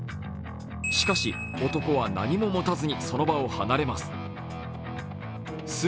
しかし、男は何も持たずにその場を離れます。